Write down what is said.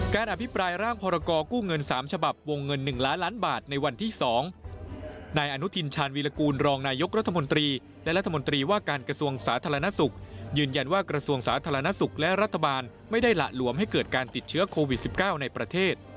อภิปรายร่างพรกู้เงิน๓ฉบับวงเงิน๑ล้านล้านบาทในวันที่๒นายอนุทินชาญวีรกูลรองนายกรัฐมนตรีและรัฐมนตรีว่าการกระทรวงสาธารณสุขยืนยันว่ากระทรวงสาธารณสุขและรัฐบาลไม่ได้หละหลวมให้เกิดการติดเชื้อโควิด๑๙ในประเทศ